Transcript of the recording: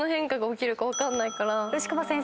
牛窪先生。